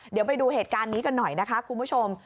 เดี๋ยวไปดูเหตุการณ์นี้กันหน่อยนะคะคุณผู้ชม